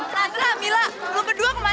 berhapilah lo berdua mau ngomong apa